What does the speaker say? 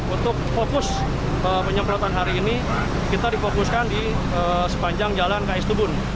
untuk fokus penyemprotan hari ini kita difokuskan di sepanjang jalan ks tubun